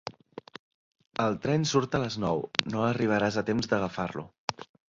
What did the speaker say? El tren surt a les nou: no arribaràs a temps d'agafar-lo.